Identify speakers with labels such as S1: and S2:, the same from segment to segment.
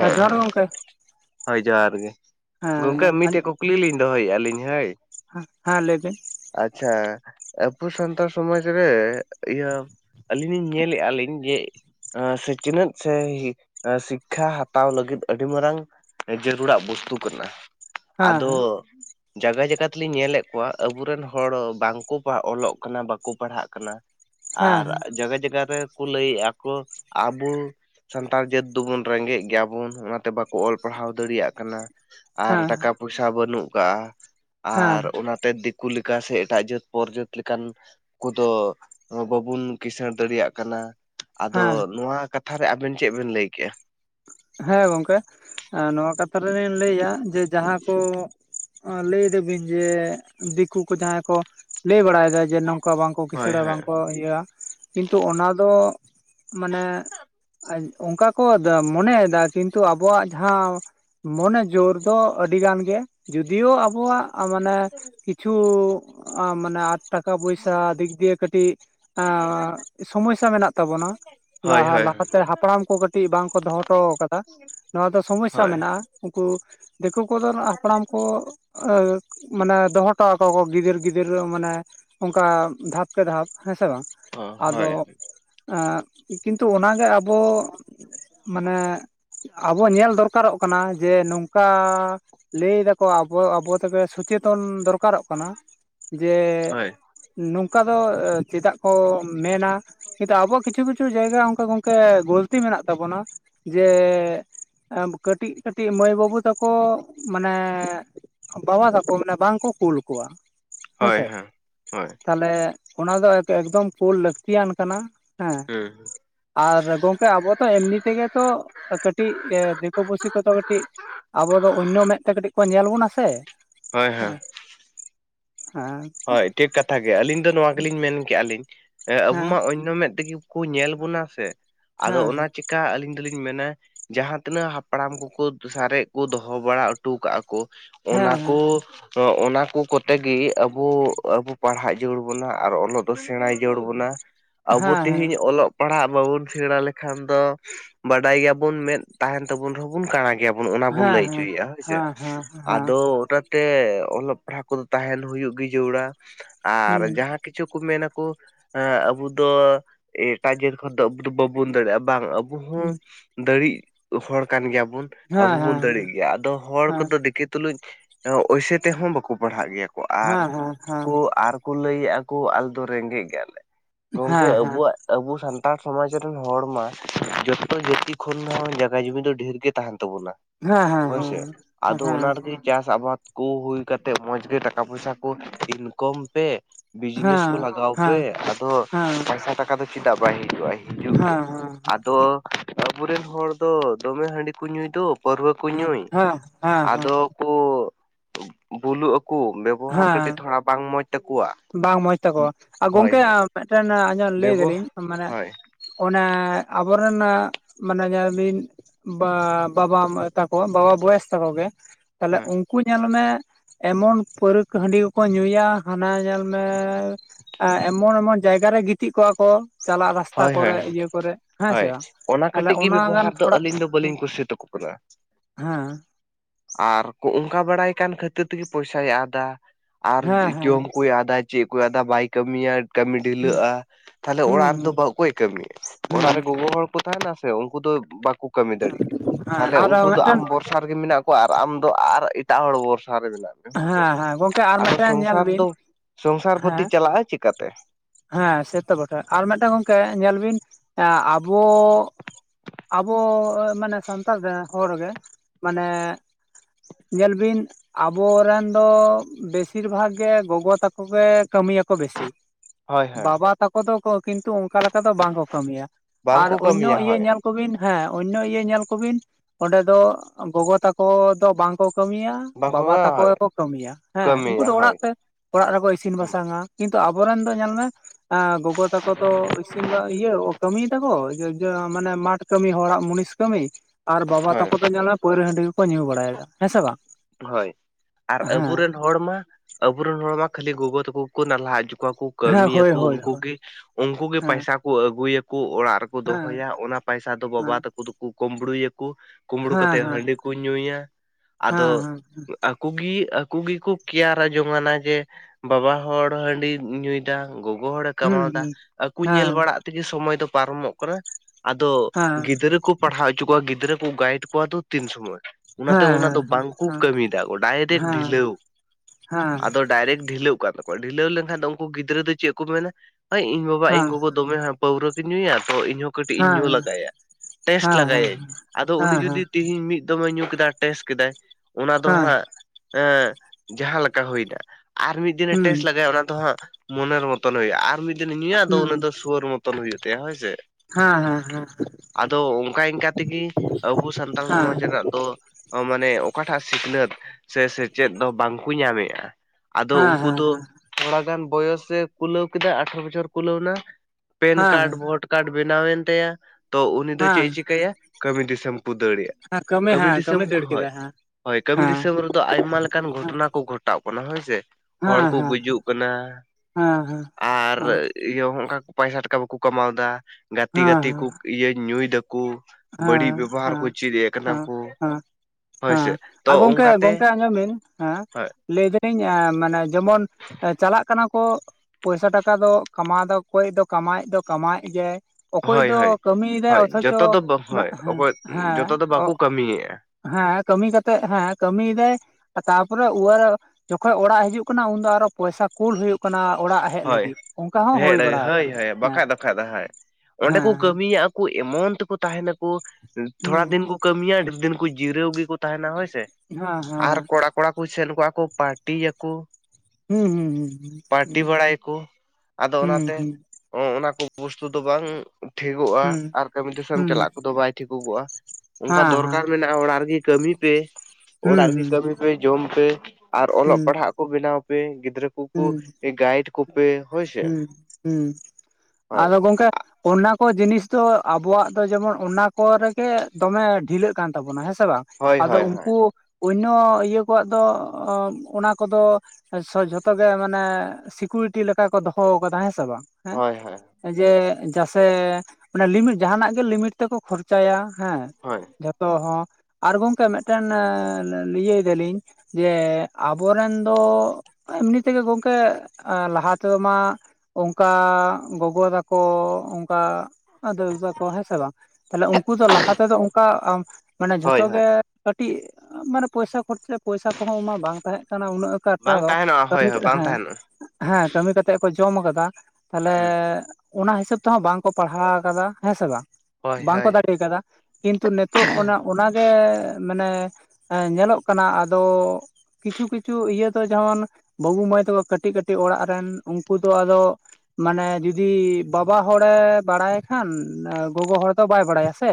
S1: ᱦᱮᱸ ᱡᱚᱦᱟᱨ ᱜᱮ ᱜᱚᱝᱠᱮ
S2: ᱦᱳᱭ ᱡᱚᱦᱟᱨ ᱜᱮ ᱜᱚᱝᱠᱮ ᱢᱤᱫᱴᱮᱡ ᱠᱩᱠᱞᱤ ᱞᱤᱧ ᱫᱚᱦᱚᱭᱮᱜᱼᱟ ᱞᱤᱧ ᱦᱳᱭ.
S1: ᱦᱮᱸ ᱞᱟᱹᱭ ᱵᱤᱱ
S2: ᱟᱪᱪᱷᱟ ᱟᱵᱚ ᱥᱟᱱᱛᱟᱲ ᱥᱚᱢᱟᱡᱽ ᱨᱮ ᱤᱭᱟᱹ ᱟᱞᱤᱧ ᱞᱤᱧ ᱧᱮᱞᱮᱫᱼᱟ ᱞᱤᱧ ᱡᱮ ᱥᱤᱪᱱᱟᱹᱛ ᱥᱮ ᱥᱤ ᱼᱼ ᱥᱤᱠᱠᱷᱟ ᱦᱟᱛᱟᱣ ᱞᱟᱹᱜᱤᱫ ᱟᱹᱰᱤ ᱢᱟᱨᱟᱝ ᱡᱟᱹᱨᱩᱲᱟᱜ ᱵᱚᱥᱛᱩ ᱠᱟᱱᱟ
S1: ᱦᱮᱸ
S2: ᱟᱫᱚ
S1: ᱦᱮᱸ
S2: ᱡᱟᱭᱜᱟ ᱡᱟᱭᱜᱟ ᱫᱚᱞᱤᱧ ᱧᱮᱞᱮᱫ ᱠᱚᱣᱟ ᱟᱵᱚᱨᱮᱱ ᱦᱚᱲ ᱵᱟᱝᱠᱚ ᱚᱞᱚᱜ ᱠᱟᱱᱟ ᱵᱟᱝᱠᱚ ᱯᱟᱲᱦᱟᱜ ᱠᱟᱱᱟ [unintelligible]
S1: ᱦᱮᱸ
S2: ᱟᱨ ᱡᱟᱭᱜᱟ ᱡᱟᱭᱜᱟ ᱨᱮᱠᱚ ᱞᱟᱹᱭᱮᱫᱼᱟ ᱠᱚ ᱟᱵᱚ ᱥᱟᱱᱛᱟᱲ ᱡᱟᱹᱛ ᱫᱚᱵᱚᱱ ᱨᱮᱸᱜᱮᱡ ᱜᱮᱭᱟᱵᱚᱱ ᱚᱱᱟᱛᱮ ᱵᱟᱠᱚ ᱚᱞ ᱯᱟᱲᱦᱟᱣ ᱫᱟᱲᱮᱭᱟᱜ ᱠᱟᱱᱟ ᱟᱨ
S1: ᱦᱮᱸ
S2: ᱴᱟᱠᱟ ᱯᱚᱭᱥᱟ ᱵᱟᱹᱱᱩᱜ ᱟᱠᱟᱜᱼᱟ
S1: ᱦᱮᱸ
S2: ᱟᱨ ᱚᱱᱟᱛᱮ ᱫᱤᱠᱩ ᱞᱮᱠᱟ ᱥᱮ ᱮᱴᱟᱜ ᱡᱟᱹᱛ ᱯᱚᱨ ᱡᱟᱹᱛ ᱞᱮᱠᱟᱱ ᱩᱱᱠᱩ ᱫᱚ ᱵᱟᱵᱚᱱ ᱠᱤᱥᱟᱹᱬ ᱫᱟᱲᱮᱭᱟᱜ ᱠᱟᱱᱟ ᱟᱫᱚ
S1: ᱦᱮᱸ
S2: ᱱᱚᱣᱟ ᱠᱟᱛᱷᱟ ᱨᱮ ᱟᱵᱮᱱ ᱪᱮᱫ ᱵᱮᱱ ᱞᱟᱹᱭ ᱠᱮᱜᱼᱟ?
S1: ᱦᱮᱸ ᱜᱚᱝᱠᱮ ᱱᱚᱣᱟ ᱠᱟᱛᱷᱟ ᱨᱮᱞᱤᱧ ᱞᱟᱹᱭᱟ ᱡᱮ ᱡᱟᱦᱟᱸ ᱠᱚ ᱞᱟᱹᱭ ᱫᱟᱵᱤᱱ ᱡᱮ ᱫᱤᱠᱩ ᱠᱚ ᱡᱟᱦᱟᱸᱭ ᱠᱚ ᱞᱟᱹᱭ ᱵᱟᱲᱟᱭᱮᱫᱟ ᱡᱮ ᱱᱚᱝᱠᱟ ᱼᱼ [inaudible] ᱵᱟᱝᱠᱚ
S2: ᱦᱳᱭ
S1: ᱠᱤᱥᱟᱹᱬᱟ ᱵᱟᱝᱠᱚ ᱤᱭᱟᱹ ᱠᱤᱱᱛᱩ ᱚᱱᱟ ᱫᱚ ᱢᱟᱱᱮ ᱟᱡ ᱚᱱᱠᱟ ᱠᱚ ᱼᱼ ᱢᱚᱱᱮᱭᱮᱫᱟ ᱠᱤᱱᱛᱩ ᱟᱵᱚᱣᱟᱜ ᱡᱟᱦᱟᱸ ᱢᱚᱱᱮ ᱡᱳᱨ ᱫᱚ ᱟᱹᱰᱤ ᱜᱟᱱ ᱜᱮ ᱡᱩᱫᱤᱭᱳ ᱟᱵᱚᱣᱟᱜ ᱟᱨ ᱢᱟᱱᱮ ᱠᱤᱪᱷᱩ ᱟ ᱢᱟᱱᱮ ᱟᱨ ᱴᱟᱠᱟ ᱯᱚᱭᱥᱟ ᱫᱤᱠ ᱫᱤᱭᱟᱹ ᱠᱟᱹᱴᱤᱡ ᱮ ᱥᱚᱢᱚᱥᱟ ᱢᱮᱱᱟᱜ ᱛᱟᱵᱚᱱᱟ
S2: ᱦᱳᱭ
S1: ᱞᱟᱦᱟ
S2: ᱦᱳᱭ
S1: ᱞᱟᱦᱟᱛᱮ ᱦᱟᱯᱲᱟᱢ ᱠᱚ ᱠᱟᱹᱴᱤᱡ ᱵᱟᱝᱠᱚ ᱫᱚᱦᱚ ᱼᱼ ᱴᱚ ᱟᱠᱟᱫᱟ ᱱᱚᱣᱟ ᱫᱚ ᱥᱚᱢᱚᱥᱟ
S2: ᱦᱳᱭ
S1: ᱢᱮᱱᱟᱜᱼᱟ ᱩᱱᱠᱩ ᱫᱤᱠᱩ ᱠᱚᱫᱚ ᱦᱟᱯᱲᱟᱢ ᱠᱚ ᱮ ᱢᱟᱱᱮ ᱫᱚᱦᱚᱴᱚᱜ ᱟᱠᱳᱭᱟᱠᱳ ᱜᱤᱫᱟᱹᱨ ᱜᱤᱫᱟᱹᱨ ᱢᱟᱱᱮ ᱚᱱᱠᱟ ᱫᱷᱟᱯ ᱠᱮ ᱫᱷᱟᱯ ᱦᱮᱸᱥᱮ ᱵᱟᱝ
S2: ᱦᱳᱭ
S1: ᱟᱫᱚ
S2: ᱦᱳᱭ
S1: ᱮ ᱠᱤᱱᱛᱩ ᱚᱱᱟᱜᱮ ᱟᱵᱚ ᱢᱟᱱᱮ ᱟᱵᱚ ᱧᱮᱞ ᱫᱚᱨᱠᱟᱨᱚᱜ ᱠᱟᱱᱟ ᱡᱮ ᱱᱚᱝᱠᱟ ᱞᱟᱹᱭ ᱫᱟᱠᱚ ᱟᱵᱚ ᱟᱵᱚ ᱛᱮᱯᱮ ᱥᱚᱪᱮᱛᱚᱱ ᱫᱚᱨᱠᱟᱨᱚᱜ ᱠᱟᱱᱟ ᱡᱮ
S2: ᱦᱳᱭ
S1: ᱱᱚᱝᱠᱟ ᱫᱚ ᱪᱮᱫᱟᱜ ᱠᱚ ᱢᱮᱱᱼᱟ ᱠᱤᱱᱛᱩ ᱟᱵᱚᱣᱟᱜ ᱠᱤᱪᱷᱩ ᱠᱤᱪᱷᱩ ᱡᱟᱭᱜᱟ ᱚᱱᱠᱟ ᱜᱚᱝᱠᱮ ᱜᱚᱞᱛᱤ ᱢᱮᱱᱟᱜ ᱛᱟᱵᱚᱱᱟ ᱡᱮᱻᱮ ᱠᱟᱹᱴᱤᱡ ᱠᱟᱹᱴᱤᱡ ᱢᱟᱹᱭ ᱵᱟᱹᱵᱩ ᱛᱟᱠᱚ ᱢᱟᱱᱮ ᱵᱟᱵᱟ ᱛᱟᱠᱚ ᱢᱟᱱᱮ ᱵᱟᱝᱠᱚ ᱠᱩᱞ ᱠᱚᱣᱟ
S2: ᱦᱳᱭ ᱦᱳᱭ
S1: ᱦᱮᱸᱥᱮ
S2: ᱦᱳᱭ ᱦᱳᱭ ᱦᱳᱭ
S1: ᱛᱟᱦᱚᱞᱮ ᱚᱱᱟ ᱫᱚ ᱮᱠᱫᱚᱢ ᱠᱳ. ᱞ ᱞᱟᱹᱠᱛᱤᱭᱟᱱ ᱠᱟᱱᱟ. ᱦᱮᱸ ᱟᱨ ᱜᱚᱝᱠᱮ ᱟᱵᱚ ᱛᱚ ᱮᱢᱱᱤ ᱛᱮᱜᱮ ᱼᱼ ᱛᱚ ᱠᱟᱹᱴᱤᱡ ᱫᱤᱠᱩ ᱯᱩᱥᱤ ᱠᱚᱛᱚ ᱠᱟᱹᱴᱤᱡ ᱟᱵᱚ ᱫᱚ ᱚᱱᱱᱚ ᱢᱮᱫ ᱛᱮ ᱠᱟᱹᱴᱤᱡ ᱠᱚ ᱧᱮᱞ ᱵᱚᱱᱟ ᱥᱮ
S2: ᱦᱳᱭ ᱦᱳᱭ
S1: ᱦᱮᱸ ᱦᱮᱸ
S2: ᱦᱳᱭ ᱴᱷᱤᱠ ᱠᱟᱛᱷᱟ ᱜᱮ ᱟᱹᱞᱤᱧ ᱫᱚ ᱱᱚᱣᱟ ᱜᱮᱞᱤᱧ ᱢᱮᱱ ᱠᱮᱜᱼᱟ ᱞᱤᱧ ᱮ ᱟᱵᱚ ᱢᱟ ᱚᱭᱱᱚ ᱢᱮᱜ ᱛᱮᱜᱮ [inaudible] ᱧᱮᱞ ᱵᱚᱱᱟ ᱥᱮ ᱟᱫᱚ
S1: ᱦᱮᱸ
S2: ᱚᱱᱟ ᱪᱮᱠᱟ ᱟᱹᱞᱤᱧ ᱫᱚᱞᱤᱧ ᱢᱮᱱᱟ ᱡᱟᱦᱟᱸ ᱛᱤᱱᱟᱹᱜ ᱦᱟᱯᱲᱟᱢ ᱠᱚᱠᱚ ᱥᱟᱨᱮᱡ ᱠᱚ ᱫᱚᱦᱚ ᱵᱟᱲᱟ ᱦᱚᱴᱚ ᱟᱠᱟᱜᱼᱟ ᱠᱚ ᱚᱱᱟ ᱠᱚ
S1: ᱦᱮᱸ
S2: ᱚᱱᱟ ᱠᱚ ᱠᱚᱛᱮ ᱜᱮ ᱟᱵᱚ ᱟᱵᱚ ᱯᱟᱲᱦᱟᱜ ᱡᱳᱲᱩᱲ ᱟᱵᱚᱱᱟ ᱟᱨ ᱚᱞᱚᱜ ᱫᱚ ᱥᱮᱬᱟᱭ ᱡᱳᱲᱩᱲ ᱵᱚᱱᱟ ᱟᱵᱚ
S1: ᱦᱮᱸ
S2: ᱛᱤᱦᱤᱧ ᱚᱞᱚᱜ ᱯᱟᱲᱦᱟᱜ ᱵᱟᱵᱚᱱ ᱥᱮᱬᱟ ᱞᱮᱠᱷᱟᱱ ᱫᱚ ᱵᱟᱰᱟᱭ ᱜᱮᱭᱟᱵᱚᱱ ᱢᱮᱸᱫ ᱛᱟᱦᱮᱱ ᱛᱟᱵᱚᱱ ᱨᱮᱦᱚᱸ ᱵᱚᱱ ᱠᱟᱬᱟ ᱜᱮᱭᱟᱵᱚᱼᱼ ᱚᱱ ᱚᱱᱟ
S1: ᱦᱮᱸ ᱦᱮᱸ
S2: ᱵᱚᱱ
S1: ᱦᱮᱸ
S2: ᱞᱟᱹᱭ ᱦᱚᱪᱚᱭᱮᱫᱼᱟ ᱦᱮᱥᱮ
S1: ᱦᱮᱸ ᱦᱮᱸ ᱦᱮᱸ ᱦᱮᱸ
S2: ᱟᱫᱚ ᱛᱮ ᱚᱞᱚᱜ ᱯᱟᱲᱦᱟᱜ ᱠᱚᱫᱚ ᱛᱟᱦᱮᱱ ᱦᱩᱭᱩᱜ ᱜᱮ ᱡᱚᱨᱩᱲᱟ ᱟᱨ
S1: ᱦᱩᱸ
S2: ᱡᱟᱦᱟᱸ ᱠᱤᱪᱷᱩ ᱠᱚ ᱢᱮᱱᱟᱠᱚ ᱮᱸ ᱟᱵᱚ ᱫᱚ ᱮᱴᱟᱜ ᱡᱟᱹᱛ ᱠᱷᱚᱱ ᱫᱚ ᱟᱵᱚ ᱫᱚ ᱵᱟᱵᱚᱱ ᱫᱟᱲᱮᱭᱟᱜᱼᱟ ᱵᱟᱝ ᱟᱵᱚ ᱟᱵᱚ ᱦᱚᱸ
S1: ᱦᱩᱸ
S2: ᱫᱟᱲᱮᱜ ᱦᱚᱲ ᱠᱟᱱ ᱜᱮᱭᱟᱵᱩᱱ
S1: ᱦᱮᱸ
S2: ᱟᱵᱚ ᱵᱚᱱ
S1: ᱦᱮᱸ
S2: ᱫᱟᱲᱮᱜ ᱜᱮᱭᱟ ᱟᱫᱚ ᱦᱚᱲ
S1: ᱦᱮᱸ
S2: ᱠᱚᱫᱚ ᱫᱤᱠᱮ ᱛᱩᱞᱩᱡ ᱚᱳᱭᱥᱮ ᱛᱮᱦᱚᱸ ᱵᱟᱠᱚ ᱯᱟᱲᱦᱟᱜ ᱜᱮᱭᱟ
S1: ᱦᱮᱸ ᱦᱮᱸ ᱦᱮᱸ
S2: ᱟᱨᱠᱚ ᱞᱟᱹᱭᱮᱫᱼᱟ ᱠᱚ ᱟᱞᱮ ᱫᱚ ᱨᱮᱸᱜᱮᱡ ᱜᱮᱭᱟᱞᱮ ᱜᱚᱝᱠᱮ ᱟᱵᱚᱣᱟᱜ ᱟᱵᱚ ᱥᱟᱱᱛᱟᱲ ᱥᱚᱢᱟᱡᱽ ᱨᱮᱱ ᱦᱚᱲ ᱢᱟ ᱡᱚᱛᱚ ᱡᱟᱹᱛᱤ ᱠᱷᱚᱱ ᱦᱚᱸ ᱡᱟᱜᱟ ᱡᱚᱢᱤ ᱫᱚ ᱰᱷᱮᱨ ᱜᱮ ᱛᱟᱦᱮᱱ ᱛᱟᱵᱚᱱᱟ ᱦᱳᱭ ᱥᱮ ᱟᱫᱚ ᱚᱱᱟ ᱟᱨᱠᱤ ᱪᱟᱥ ᱟᱵᱟᱫᱽ ᱠᱚ ᱦᱩᱭ ᱠᱟᱛᱮᱫ ᱢᱚᱸᱡᱽ ᱜᱮ ᱴᱟᱠᱟ ᱯᱚᱭᱥᱟ ᱠᱚ ᱤᱱᱠᱚᱢ ᱯᱮ ᱵᱤᱡᱽᱱᱮᱥ ᱠᱚ ᱞᱟᱜᱟᱣ ᱯᱮ ᱟᱫᱚ ᱯᱟᱭᱥᱟ ᱴᱟᱠᱟ ᱫᱚ ᱪᱮᱫᱟᱜ ᱵᱟᱭ ᱦᱤᱡᱩᱜᱼᱟᱭ
S1: ᱦᱮᱸ ᱦᱮᱸ
S2: ᱟᱵᱚᱨᱮᱱ ᱦᱚᱲ ᱫᱚ ᱫᱚᱢᱮ ᱦᱟᱺᱰᱤ ᱠᱚ ᱧᱩᱭ ᱫᱚ ᱯᱟᱹᱨᱣᱨᱟᱹ ᱠᱚ ᱧᱩᱭ
S1: ᱦᱮᱸ ᱦᱮᱸ
S2: ᱟᱫᱚ ᱠᱚ ᱵᱩᱞᱩᱜ ᱟᱠᱚ ᱵᱮᱵᱚᱦᱟᱨ ᱠᱟᱹᱴᱤᱡ
S1: ᱦᱮᱸ
S2: ᱛᱷᱚᱲᱟ ᱵᱟᱝ ᱢᱚᱸᱡᱽ ᱛᱟᱠᱚᱣᱟ᱾
S1: ᱵᱟᱝ ᱢᱚᱡᱽ ᱛᱟᱠᱚᱣᱟ ᱟᱨ
S2: ᱦᱳᱭ
S1: ᱜᱚᱢᱠᱮ
S2: ᱦᱳᱭ
S1: ᱢᱤᱫᱴᱮᱱ ᱟᱡᱚᱢ ᱞᱟᱹᱭ
S2: ᱵᱮᱵᱚ
S1: ᱫᱟᱞᱤᱧ ᱢᱟᱱᱮ
S2: ᱦᱳᱭ
S1: ᱚᱱᱮ ᱟᱵᱚᱨᱮᱱ ᱢᱟᱱᱮ ᱧᱮᱞᱵᱤᱱ ᱵᱟ ᱵᱟᱵᱟ ᱛᱟᱠᱚ ᱵᱟᱵᱟ ᱵᱚᱭᱮᱥ ᱛᱟᱠᱚ ᱜᱮ ᱛᱟᱦᱞᱮ
S2: ᱦᱳᱭ
S1: ᱩᱱᱠᱩ ᱧᱮᱞ ᱢᱮ ᱮᱢᱚᱱ ᱯᱟᱹᱣᱨᱟᱹ ᱦᱟᱺᱰᱤ ᱠᱚᱠᱚ ᱧᱩᱭᱟ ᱚᱱᱟ ᱧᱮᱞ ᱢᱮ ᱮᱢᱚᱱ ᱮᱢᱚᱱ ᱡᱟᱭᱜᱟ ᱨᱮ ᱜᱤᱛᱤᱡ ᱠᱚᱜ-ᱟ ᱠᱚ ᱪᱟᱞᱟᱜ ᱨᱟᱥᱛᱟ
S2: ᱦᱳᱭ ᱦᱳᱭ
S1: ᱠᱚᱨᱮ ᱤᱭᱟᱹ ᱠᱚᱨᱮ ᱦᱮᱸ ᱥᱮ
S2: ᱦᱳᱭ
S1: ᱵᱟᱝ
S2: ᱚᱱᱟ
S1: ᱛᱟᱦᱞᱮ
S2: ᱠᱟᱹᱴᱤᱡ ᱜᱮ
S1: ᱚᱱᱟ ᱜᱟᱱ
S2: ᱵᱮᱵᱚᱦᱟᱨ ᱫᱚ
S1: ᱛᱷᱚᱲᱟ
S2: ᱟᱹᱞᱤᱧ ᱫᱚ ᱵᱟᱹᱞᱤᱧ ᱠᱩᱥᱤ ᱛᱟᱠᱚᱣᱟ [inaudible]
S1: ᱦᱮᱸ
S2: ᱟᱨ ᱚᱱᱠᱟ ᱵᱟᱲᱟᱭ ᱠᱟᱱ ᱠᱷᱟᱹᱛᱤᱨ ᱛᱮᱜᱮ ᱯᱚᱭᱥᱟᱭ ᱟᱫᱟ ᱟᱨ
S1: ᱦᱮᱸ ᱦᱮᱸ
S2: ᱡᱚᱢ [inaudible] ᱚᱭ ᱟᱫᱟ ᱪᱮᱫ ᱠᱚᱭ ᱟᱫᱟ ᱵᱟᱭ ᱠᱟᱹᱢᱤᱭᱟ ᱠᱟᱹᱢᱤ
S1: ᱦᱩᱸ
S2: ᱰᱷᱤᱞᱟᱹᱜᱼᱟ ᱛᱟᱦᱚᱞᱮ
S1: ᱦᱩᱸ
S2: ᱚᱲᱟᱜ ᱨᱮᱫᱚ ᱚᱠᱚᱭ ᱠᱟᱹᱢᱤ ᱚᱲᱟᱜ ᱨᱮ
S1: ᱦᱩᱸ
S2: ᱜᱚᱜᱚ ᱦᱚᱲ ᱠᱚ ᱛᱟᱦᱮᱱᱟ ᱥᱮ ᱩᱱᱠᱩ ᱫᱚ ᱵᱟᱠᱚ ᱠᱟᱹᱢᱤ ᱫᱟᱲᱮᱜᱭᱟᱜ
S1: ᱦᱮᱸ
S2: ᱛᱟᱦᱮ
S1: ᱟᱨ
S2: ᱩᱱᱠᱩ ᱫᱚ
S1: ᱢᱤᱫᱴᱮᱱ
S2: ᱟᱢᱵᱚᱨ ᱵᱚᱨᱥᱟ ᱨᱮᱜᱮ ᱢᱮᱱᱟᱜ ᱠᱚᱣᱟ ᱟᱨ ᱟᱢ ᱫᱚ ᱟᱨ ᱮᱴᱟᱜ ᱦᱚᱲ ᱵᱷᱚᱨᱥᱟ ᱨᱮ ᱢᱮᱱᱟᱜ ᱢᱮᱭᱟ ᱦᱮᱸ
S1: ᱜᱚᱝᱠᱮ ᱟᱨ
S2: ᱟᱫᱚ
S1: ᱢᱤᱫᱴᱮᱱ ᱧᱮᱞ
S2: ᱥᱚᱝᱥᱟᱨ
S1: ᱵᱤᱱ
S2: ᱫᱚ ᱥᱚᱝᱥᱟᱨ ᱯᱚᱛᱤ
S1: ᱦᱮᱸ
S2: ᱪᱟᱞᱟᱜᱼᱟ ᱪᱤᱠᱟᱛᱮ
S1: ᱦᱮᱸ ᱥᱮᱛᱚ ᱵᱟᱠᱷᱟᱡ ᱟᱨ ᱢᱤᱫᱴᱟᱝ ᱜᱚᱝᱠᱮ ᱧᱮᱞ ᱵᱤᱱ ᱟᱵᱚ ᱟᱵᱚ ᱢᱟᱱᱮ ᱥᱟᱱᱛᱟᱲ ᱨᱮᱱ ᱦᱚᱲ ᱜᱮ ᱢᱟᱱᱮ ᱧᱮᱞ ᱵᱤᱱ ᱟᱵᱚᱨᱮᱱ ᱫᱚ ᱵᱮᱥᱤᱨ ᱵᱷᱟᱜᱽ ᱜᱮ ᱜᱚᱜᱚ ᱛᱟᱠᱚ ᱜᱮ ᱠᱟᱹᱢᱤᱭᱟᱠᱚ ᱵᱮᱥᱤ
S2: ᱦᱳᱭ ᱦᱳᱭ
S1: ᱵᱟᱵᱟ ᱛᱟᱠᱚ ᱫᱚᱠᱚ ᱠᱤᱱᱛᱩ ᱚᱱᱠᱟ ᱞᱮᱠᱟ ᱫᱚ ᱵᱟᱝᱠᱚ ᱠᱟᱹᱢᱤᱭᱟ ᱟᱨ
S2: ᱵᱟᱝᱠᱚ
S1: ᱚᱱᱱᱚ
S2: ᱠᱟᱹᱢᱤᱭᱟ
S1: ᱤᱭᱟᱹ
S2: ᱦᱳᱭ
S1: ᱧᱮᱞ ᱠᱚᱵᱤᱱ ᱦᱮᱸ ᱚᱱᱱᱚ ᱤᱭᱟᱹ ᱧᱮᱞ ᱠᱚᱵᱤᱱ ᱚᱸᱰᱮ ᱫᱚ ᱜᱚᱜᱚ ᱛᱟᱠᱚ ᱫᱚ ᱵᱟᱝᱠᱚ ᱠᱟᱹᱢᱤᱭᱟ
S2: ᱵᱟᱝᱠᱚ
S1: ᱵᱟᱵᱟ ᱛᱟᱠᱚ
S2: ᱦᱳᱭ
S1: ᱜᱮ ᱠᱚ ᱠᱟᱹᱢᱤᱭᱟ ᱦᱮᱸ ᱩᱱᱠᱩ
S2: ᱠᱟᱹᱢᱤᱭᱟ
S1: ᱫᱚ ᱚᱲᱟᱜ
S2: ᱦᱳᱭ
S1: ᱛᱮ ᱚᱲᱟᱜ ᱨᱮᱠᱚ ᱤᱥᱤᱱ ᱵᱟᱥᱟᱝᱼᱟ ᱠᱤᱱᱛᱩ ᱟᱵᱚᱨᱮᱱ ᱫᱚ ᱧᱮᱞ ᱢᱮ ᱮᱸ ᱜᱚᱜᱚ ᱛᱟᱠᱚ ᱫᱚ ᱤᱥᱤᱱ ᱵᱟ ᱤᱭᱟᱹ ᱠᱟᱹᱢᱤᱭ ᱛᱟᱠᱚ ᱤᱭᱟᱹ ᱢᱟᱱᱮ ᱢᱟᱴ ᱠᱟᱹᱢᱤ ᱦᱚᱲᱟᱜ ᱢᱩᱱᱤᱥ ᱠᱟᱹᱢᱤ ᱟᱨ ᱵᱟᱵᱟ
S2: ᱦᱳᱭ
S1: ᱛᱟᱠᱚ ᱫᱚ ᱧᱮᱞ ᱢᱮ ᱯᱟᱹᱣᱨᱟᱹ ᱦᱟᱺᱰᱤ ᱜᱮᱠᱚ ᱧᱩ ᱵᱟᱲᱟᱭᱮᱫᱟ ᱦᱮᱸ ᱥᱮ ᱵᱟᱝ
S2: ᱦᱳᱭ ᱟᱨ
S1: ᱦᱮᱸ
S2: ᱟᱵᱩᱨᱮᱱ ᱦᱚᱲ ᱢᱟ ᱟᱵᱚᱨᱮᱱ ᱦᱚᱲ ᱢᱟ ᱠᱷᱟᱹᱞᱤ ᱜᱚᱜᱚ ᱛᱟᱠᱚ ᱠᱚ ᱱᱟᱞᱦᱟ ᱦᱚᱡᱚ ᱠᱚᱣᱟᱠᱩ
S1: ᱦᱮᱸ ᱦᱳᱭ
S2: ᱠᱟᱹᱢᱤᱭᱟᱠᱚ
S1: ᱦᱳᱭ ᱦᱳᱭ
S2: ᱩᱱᱠᱩᱜᱮ ᱩᱱᱠᱩ ᱜᱮ
S1: ᱦᱮᱸ
S2: ᱯᱟᱭᱥᱟ ᱠᱚ ᱟᱹᱜᱩᱭᱟᱠᱚ ᱚᱲᱟᱜ ᱨᱮ
S1: ᱦᱮᱸ
S2: ᱫᱚᱦᱚᱭᱟ ᱚᱱᱟ ᱯᱚᱭᱥᱟ ᱫᱚ ᱵᱟᱵᱟ
S1: ᱦᱮᱸ
S2: ᱛᱟᱠᱚ ᱫᱚ ᱠᱩᱢᱵᱽᱲᱩᱭᱟᱠᱚ ᱠᱩᱢᱵᱽᱲᱩ
S1: ᱦᱮᱸ
S2: ᱠᱟᱛᱮ
S1: ᱦᱮᱸ
S2: ᱦᱟᱺᱰᱤ ᱠᱚ ᱧᱩᱭᱟ ᱟᱫᱚ
S1: ᱦᱮᱸ
S2: ᱟᱠᱚ ᱜᱤ ᱟᱠᱚ ᱜᱮᱠᱚ ᱠᱮᱭᱟᱨᱟ ᱡᱚᱝᱟᱱᱟ ᱡᱮ ᱵᱟᱵᱟ ᱦᱚᱲ ᱦᱟᱺᱰᱤ ᱧᱩᱭᱮᱫᱟ ᱜᱚᱜᱚ ᱦᱚᱲᱮ
S1: ᱦᱩᱸ
S2: ᱠᱟᱢᱟᱣᱫᱟ
S1: ᱦᱩᱸ
S2: ᱟᱠᱩ ᱧᱮᱞ
S1: ᱦᱮᱸ
S2: ᱵᱟᱲᱟᱜ ᱛᱮᱜᱮ ᱥᱚᱢᱚᱭ ᱫᱚ ᱯᱟᱨᱚᱢᱚᱜ ᱠᱟᱱᱟ ᱟᱫᱚ
S1: ᱦᱮᱸ
S2: ᱜᱤᱫᱽᱨᱟᱹ ᱠᱚ ᱯᱟᱲᱦᱟᱣ ᱦᱚᱪᱚ ᱠᱚᱣᱟ ᱜᱤᱫᱽᱨᱟᱹ ᱠᱚ ᱜᱟᱭᱤᱰ ᱠᱚᱣᱟ ᱫᱚ ᱛᱤᱱ ᱥᱩᱢᱚᱭ ᱚᱱᱟᱛᱮ ᱚᱱᱟ ᱫᱚ
S1: ᱦᱮᱸ
S2: ᱵᱟᱝᱠᱩ
S1: ᱦᱮᱸ ᱦᱮᱸ
S2: ᱰᱟᱭᱨᱮᱠᱴ
S1: ᱦᱮᱸ
S2: ᱰᱷᱤᱞᱟᱹᱣ
S1: ᱦᱮᱸ
S2: ᱰᱟᱭᱨᱮᱠ ᱰᱷᱤᱞᱟᱹᱣ ᱠᱟᱱ ᱛᱟᱠᱚᱣᱟ ᱰᱷᱤᱞᱟᱹᱣ ᱞᱮᱱᱠᱷᱟᱱ ᱫᱚ ᱩᱱᱠᱩ ᱜᱤᱫᱽᱨᱟᱹ ᱫᱚ ᱪᱮᱫ ᱠᱚ ᱢᱮᱱᱟ ᱦᱳ ᱤᱧ ᱵᱟᱵᱟ ᱤᱧ
S1: ᱦᱮᱸ
S2: ᱜᱚᱜᱚ ᱫᱚᱢᱮ ᱯᱟᱹᱣᱨᱟᱹ ᱜᱤ ᱧᱩᱭᱟ ᱛᱚ ᱤᱧᱦᱚᱸ ᱠᱟᱹᱴᱤᱡ ᱤᱧ ᱧᱩ
S1: ᱦᱮᱸ ᱦᱮᱸ
S2: ᱞᱮᱜᱟᱭᱟ ᱴᱮᱥᱴ ᱞᱮᱜᱟᱭᱟᱹᱧ
S1: ᱦᱮᱸ
S2: ᱟᱫᱚ ᱩᱱᱤ
S1: ᱦᱮᱸ ᱦᱮᱸ
S2: ᱡᱩᱫᱤ ᱛᱤᱦᱤᱧ ᱢᱤᱫ ᱫᱚᱢᱮ ᱧᱩ ᱠᱮᱫᱟ ᱴᱮᱥ ᱠᱮᱫᱟᱭ, ᱚᱱᱟ ᱫᱚ
S1: ᱦᱮᱸ
S2: ᱦᱟᱸᱜ ᱦᱮᱸ ᱡᱟᱦᱟᱸ ᱞᱮᱠᱟ ᱦᱩᱭᱱᱟ ᱟᱨ ᱢᱤᱫ ᱫᱤᱱ ᱮ
S1: ᱦᱩᱸ
S2: ᱴᱮᱥᱴ ᱞᱟᱜᱟᱭᱟ ᱚᱱᱟ ᱫᱚ ᱦᱟᱸᱜ ᱢᱚᱱᱮᱨ ᱢᱚᱛᱚᱱ ᱦᱩᱭᱩᱜᱼᱟ ᱟᱨ ᱢᱤᱫ ᱫᱤᱱ ᱧᱩᱭᱟ ᱫᱚ
S1: ᱦᱩᱸ
S2: ᱩᱱᱤ ᱫᱚ ᱥᱩᱭᱟᱹᱨ ᱢᱚᱛᱚᱱ ᱦᱩᱭᱩᱜ ᱛᱟᱭᱟ ᱦᱳᱭᱥᱮ
S1: ᱦᱮᱸ ᱦᱮᱸ ᱦᱮᱸ
S2: ᱟᱫᱚ ᱚᱱᱠᱟ ᱤᱱᱠᱟ ᱛᱤᱜᱤ ᱟᱵᱚ ᱥᱟᱱᱛᱟᱲ
S1: ᱦᱮᱸ
S2: ᱥᱚᱢᱟᱡᱽ ᱨᱮᱱᱟᱜ ᱫᱚ ᱦᱚᱸ ᱢᱟᱱᱮ ᱚᱠᱟᱴᱟᱜ ᱥᱤᱠᱷᱱᱟᱹᱛ ᱥᱮ ᱥᱮᱪᱮᱫ ᱫᱚ ᱵᱟᱝᱠᱚ ᱧᱟᱢᱮᱫᱼᱟ ᱟᱫᱚ ᱩᱱᱠᱩ
S1: ᱦᱮᱸ ᱦᱮᱸ
S2: ᱫᱚ ᱛᱷᱚᱲᱟ ᱜᱟᱱ ᱵᱚᱭᱚᱥ ᱮ ᱠᱩᱞᱟᱹᱣ ᱠᱮᱫᱟ ᱟᱴᱷᱚᱨᱚ ᱵᱚᱪᱷᱚᱨ ᱠᱩᱞᱟᱹᱣ ᱱᱟ
S1: ᱦᱮᱸ
S2: ᱯᱮᱱ ᱠᱟᱨᱰ,
S1: ᱦᱮᱸ
S2: ᱵᱷᱳᱴ ᱠᱟᱨᱰ ᱵᱮᱱᱟᱣᱮᱱ ᱛᱟᱭᱟ ᱛᱚ ᱩᱱᱤ ᱫᱚ ᱪᱮᱫ
S1: ᱦᱮᱸ ᱦᱮᱸ
S2: ᱮ ᱪᱤᱠᱟᱹᱭᱟ ᱠᱟᱹᱢᱤ ᱫᱤᱥᱚᱢ [inaudible] ᱠᱩ ᱫᱟᱹᱲ ᱮᱭᱟᱜ ᱠᱟᱹᱢᱤ
S1: ᱦᱮᱸ
S2: ᱫᱤᱥᱟᱹᱢ
S1: ᱫᱟᱹᱲ
S2: ᱠᱷᱚᱡ᱾
S1: ᱠᱮᱫᱟᱭ ᱦᱮᱸ
S2: ᱦᱳᱭ ᱠᱟᱹᱢᱤ
S1: ᱦᱮᱸ
S2: ᱫᱤᱥᱚᱢ ᱨᱮᱫᱚ ᱟᱭᱢᱟ ᱞᱮᱠᱟᱱ
S1: ᱦᱮᱸ
S2: ᱜᱷᱚᱴᱚᱱᱟ ᱠᱚ ᱜᱷᱚᱴᱟᱜ ᱠᱟᱱᱟ ᱦᱳᱭ ᱥᱮ ᱦᱚᱲ
S1: ᱦᱮᱸ ᱦᱮᱸ
S2: ᱠᱚ
S1: ᱦᱮᱸ
S2: ᱜᱩᱡᱩᱜ ᱠᱟᱱᱟ
S1: ᱦᱮᱸ ᱦᱮᱸ
S2: ᱟᱨ ᱤᱭᱟᱹ ᱚᱱᱠᱟ ᱯᱚᱭᱥᱟ ᱴᱟᱠᱟ ᱠᱚᱠᱚ ᱠᱟᱢᱟᱣ ᱫᱟ ᱜᱟᱛᱮ ᱜᱟᱛᱮ
S1: ᱦᱮᱸ
S2: ᱠᱚ ᱤᱭᱟᱹ ᱧᱩᱭ ᱫᱟᱠᱩ ᱵᱟᱹᱲᱤᱡ
S1: ᱦᱮᱸ
S2: ᱵᱮᱵᱚᱦᱟᱨ ᱠᱚ
S1: ᱦᱮᱸ
S2: ᱪᱮᱫ ᱮᱫ ᱠᱟᱱᱟ
S1: ᱦᱮᱸ
S2: ᱠᱚ
S1: ᱦᱮᱸ ᱦᱮᱸ
S2: ᱦᱳᱭᱥᱮ
S1: ᱟᱨ ᱜᱚᱝᱠᱮ ᱜᱚᱝᱠᱮ ᱟᱸᱡᱚᱢ ᱵᱤᱱ ᱦᱮᱸ
S2: ᱦᱳᱭ
S1: ᱞᱟᱹᱭ ᱫᱟᱹᱞᱤᱧ ᱢᱟᱱᱮ ᱡᱮᱢᱚᱱ ᱮ ᱪᱟᱞᱟᱜ ᱠᱟᱱᱟ ᱠᱚ ᱯᱚᱭᱥᱟ ᱴᱟᱠᱟ ᱫᱚ ᱠᱟᱢᱟᱣ ᱫᱚ ᱚᱠᱚᱭ ᱫᱚ ᱠᱟᱢᱟᱣᱤᱡ ᱫᱚ ᱠᱟᱢᱟᱣᱮᱫ ᱜᱮᱭᱟᱭ ᱚᱠᱚᱭ
S2: ᱦᱳᱭ
S1: ᱫᱚ
S2: ᱦᱳᱭ
S1: ᱠᱟᱹᱢᱤᱭ ᱮᱫᱟᱭ
S2: ᱦᱳᱭ
S1: ᱚᱛᱷᱚᱪᱚ
S2: ᱡᱚᱛᱚ ᱫᱚ
S1: ᱦᱮᱸ [inaudible]
S2: ᱠᱟᱹᱢᱤ ᱭᱮ-ᱟ᱾
S1: ᱦᱮᱸ ᱠᱟᱹᱢᱤ ᱠᱟᱛᱮᱜ ᱦᱮᱸ ᱠᱟᱹᱢᱤᱭ ᱫᱟᱭ ᱛᱟᱯᱚᱨᱮ ᱣᱟᱹᱨ ᱡᱚᱠᱷᱚᱱ ᱚᱲᱟᱜ ᱦᱤᱡᱩᱜ ᱠᱟᱱᱟ ᱩᱱᱫᱚ ᱟᱸᱨᱚ ᱯᱚᱭᱥᱟ ᱠᱩᱞ ᱦᱩᱭᱩᱜ ᱠᱟᱱᱟ ᱚᱲᱟᱜ ᱦᱮᱡ
S2: ᱦᱳᱭ
S1: ᱞᱟᱹᱜᱤᱫ ᱚᱱᱠᱟ ᱦᱚᱸ ᱦᱩᱭ ᱵᱟᱲᱟ
S2: [unintelligible] ᱦᱳᱭ
S1: ᱟᱠᱟᱱᱟ
S2: ᱦᱳ
S1: ᱦᱮᱸ
S2: ᱵᱟᱠᱷᱟᱡ ᱵᱟᱠᱷᱟᱡ ᱫᱚ ᱦᱳᱭ ᱚᱸᱰᱮ ᱠᱚ
S1: ᱦᱮᱸ
S2: ᱠᱟᱹᱢᱤᱭᱟ ᱮᱢᱚᱱ ᱛᱮᱠᱚ ᱛᱟᱸᱦᱮᱱᱟ ᱠᱚ ᱛᱷᱚᱲᱟ
S1: ᱦᱩᱸ
S2: ᱫᱤᱱ ᱠᱚ ᱠᱟᱹᱢᱤᱭᱟ ᱟᱹᱰᱤ ᱫᱤᱱ ᱠᱚ ᱡᱤᱨᱟᱹᱣ ᱜᱮᱠᱚ ᱛᱟᱦᱮᱱᱟ ᱦᱳᱭ ᱥᱮ
S1: ᱦᱮᱸ
S2: ᱟᱨ
S1: ᱦᱮᱸ
S2: ᱠᱚᱲᱟ ᱠᱚ ᱠᱚᱲᱟ ᱠᱚ ᱥᱮᱱ ᱠᱚᱜᱼᱟ ᱠᱚ ᱯᱟᱴᱤᱭᱟ ᱠᱚ
S1: ᱦᱩᱸ ᱦᱩᱸ ᱦᱩᱸ ᱦᱩᱸ
S2: ᱯᱟᱴᱤ ᱵᱟᱲᱟᱭᱟ ᱠᱚ ᱟᱫᱚ
S1: ᱦᱩᱸ ᱦᱩᱸ ᱦᱩᱸ
S2: ᱚᱱᱟᱛᱮ
S1: ᱦᱩᱸ
S2: ᱚᱱᱟ ᱠᱚ ᱵᱩᱥᱛᱩ [unintelligible] ᱫᱚ ᱵᱟᱝ ᱴᱷᱤᱠᱚᱜᱼᱟ
S1: ᱦᱩᱸ
S2: ᱟᱨ ᱠᱟᱹᱢᱤ ᱴᱤᱥᱮᱢ ᱫᱤᱥᱚᱢ
S1: ᱦᱩᱸ ᱦᱮᱸ
S2: ᱪᱟᱞᱟᱜ ᱠᱚᱫᱚ ᱵᱟᱭ ᱴᱷᱤᱠᱚᱜᱚᱜᱼᱟ ᱚᱱᱠᱟ
S1: ᱦᱮᱸ
S2: ᱫᱚᱨᱠᱟᱨ ᱢᱮᱱᱟᱜᱼᱟ᱾ ᱢᱮᱱᱟᱜᱼᱟ ᱚᱲᱟᱜ ᱨᱮᱜᱮ ᱠᱟᱹᱢᱤ ᱯᱮ ᱚᱲᱟᱜ ᱨᱮᱜᱮ
S1: ᱦᱩᱸ
S2: ᱠᱟᱹᱢᱤ ᱯᱮ ᱡᱚᱢ ᱯᱮ ᱟᱨ ᱚᱞᱚᱜ
S1: ᱦᱩᱸ
S2: ᱯᱟᱲᱦᱟᱜ ᱠᱚ ᱵᱮᱱᱟᱣ ᱯᱮ ᱜᱤᱫᱽᱨᱟᱹ ᱠᱚᱠᱚ
S1: ᱦᱩᱸ ᱦᱩᱸ
S2: ᱜᱟᱭᱤᱰ ᱠᱚᱯᱮ ᱦᱳᱭ ᱥᱮ
S1: ᱦᱩᱸ ᱦᱩᱸ ᱟᱫᱚ ᱜᱚᱢᱠᱮ ᱚᱱᱟ ᱠᱚ ᱡᱤᱱᱤᱥ ᱫᱚ ᱟᱵᱚᱣᱟᱜ ᱫᱚ ᱡᱮᱢᱚᱱ ᱚᱱᱟ ᱠᱚᱨᱮᱜᱮ ᱫᱚᱢᱮ ᱰᱷᱤᱞᱟᱹᱜ ᱠᱟᱱ ᱛᱟᱵᱚᱱᱟ ᱦᱮᱸ ᱥᱮ ᱵᱟᱝ
S2: ᱦᱳᱭ
S1: ᱟᱫᱚ
S2: ᱦᱳᱭ ᱦᱳᱭ
S1: ᱩᱱᱠᱩ ᱚᱱᱱᱚ ᱤᱭᱟᱹ ᱠᱚᱣᱟᱜ ᱫᱚ ᱚᱱᱟ ᱠᱚᱫᱚ᱾ ᱥᱮ ᱡᱷᱚᱛᱚ ᱜᱮ ᱢᱟᱱᱮ ᱥᱤᱠᱩᱨᱤᱴᱤ ᱞᱮᱠᱟ ᱠᱚ ᱫᱚᱦᱚ ᱠᱟᱫᱟ ᱦᱮᱸ ᱥᱮ ᱵᱟᱝ ᱦᱮᱸ
S2: ᱦᱳᱭ ᱦᱳᱭ
S1: ᱡᱮ ᱡᱟᱥᱮ ᱚᱱᱟ ᱞᱤᱢᱤᱴᱱ ᱡᱟᱸᱦᱟᱱᱟᱜ ᱜᱮ ᱞᱤᱢᱤᱴ ᱛᱮᱠᱚ ᱠᱷᱚᱨᱪᱟᱭᱟ ᱦᱮᱸ᱾
S2: ᱚᱸ-ᱡ ᱾
S1: ᱡᱷᱚᱛᱚ ᱦᱚᱸ ᱟᱨ ᱜᱚᱝᱠᱮ ᱢᱤᱫᱴᱮᱱ ᱤᱭᱟᱹᱭ ᱫᱟᱞᱤᱧ ᱡᱮ ᱟᱵᱚᱨᱮᱱ ᱫᱚ ᱮᱢᱱᱤ ᱛᱮᱜᱮ ᱜᱚᱝᱠᱮ ᱞᱟᱦᱟ ᱛᱮᱫᱢᱟ ᱚᱱᱠᱟ ᱜᱚᱜᱚ ᱛᱟᱠᱚ ᱚᱱᱠᱟ ᱫᱟᱹᱭ ᱛᱟᱠᱚ ᱦᱮᱸ ᱥᱮ ᱵᱟᱝ ᱛᱟᱦᱞᱮ ᱩᱱᱠᱩ ᱫᱚ ᱞᱟᱦᱟ ᱛᱮᱫᱚ ᱚᱱᱠᱟ ᱢᱟᱱᱮ
S2: ᱦᱳᱭ
S1: ᱡᱷᱚᱛᱚ
S2: ᱦᱳᱭ
S1: ᱜᱮ ᱠᱟᱹᱴᱤᱡ ᱢᱟᱱᱮ ᱯᱚᱭᱥᱟ ᱠᱷᱚᱨᱪ ᱯᱚᱭᱥᱟ ᱠᱚᱦᱚᱸ ᱚᱱᱟ ᱵᱟᱝ ᱛᱟᱦᱮᱸ ᱠᱟᱱᱟ ᱩᱱᱟᱹᱜ ᱠᱟᱛᱷᱟ
S2: ᱵᱟᱝ
S1: ᱫᱚ
S2: ᱛᱟᱦᱮᱱᱚᱜᱼᱟ ᱦᱳᱭ
S1: ᱠᱟᱹᱢᱤ
S2: ᱦᱳᱭ
S1: ᱠᱟᱛᱮ
S2: ᱵᱟᱝ
S1: ᱦᱮᱸ
S2: ᱛᱟᱦᱮᱱᱚᱜᱼᱟ
S1: ᱦᱮᱸ ᱠᱟᱹᱢᱤ ᱠᱟᱛᱮᱜ ᱠᱚ ᱡᱚᱢ ᱟᱠᱟᱫᱟ ᱛᱟᱞᱦᱮ
S2: ᱦᱩᱸ
S1: ᱚᱱᱟ ᱦᱤᱥᱟᱹᱵ ᱛᱮᱦᱚᱸ ᱵᱟᱝᱠᱚ ᱯᱟᱲᱦᱟᱣ ᱠᱟᱫᱟ ᱦᱮᱸ ᱥᱮ ᱵᱟᱝ
S2: ᱦᱳᱭ
S1: ᱵᱟᱝᱠᱚ
S2: ᱦᱳᱭ
S1: ᱫᱟᱲᱮ ᱠᱟᱫᱟ᱾ ᱠᱤᱱᱛᱩ ᱱᱤᱛᱚᱜ ᱚᱱᱟ ᱚᱱᱟᱜᱮ ᱢᱟᱱᱮ ᱧᱮᱞᱚᱜ ᱠᱟᱱᱟ ᱟᱫᱚ ᱠᱤᱪᱷᱩ ᱠᱤᱪᱷᱩ ᱤᱭᱟᱹ ᱫᱚ ᱡᱮᱢᱚᱱ ᱵᱟᱹᱵᱩ ᱢᱟᱹᱭ ᱛᱟᱠᱚ ᱠᱟᱹᱴᱤᱡ ᱠᱟᱹᱴᱤᱡ ᱚᱲᱟᱜ ᱨᱮᱱ ᱩᱱᱠᱩ ᱫᱚ ᱟᱫᱚ ᱢᱟᱱᱮ ᱡᱩᱫᱤ ᱵᱟᱵᱟ ᱦᱚᱲᱮ ᱵᱟᱲᱟᱭ ᱠᱷᱟᱱ ᱜᱚᱜᱚ ᱦᱚᱲ ᱫᱚᱚ ᱵᱟᱭ ᱵᱟᱲᱟᱭᱟ ᱥᱮ